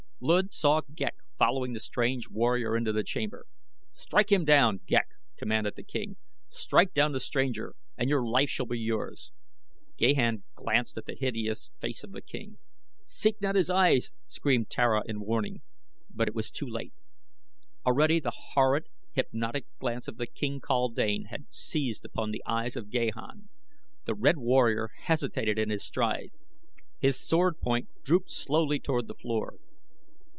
Luud saw Ghek following the strange warrior into the chamber. "Strike him down, Ghek!" commanded the king. "Strike down the stranger and your life shall be yours." Gahan glanced at the hideous face of the king. "Seek not his eyes," screamed Tara in warning; but it was too late. Already the horrid hypnotic gaze of the king kaldane had seized upon the eyes of Gahan. The red warrior hesitated in his stride. His sword point drooped slowly toward the floor.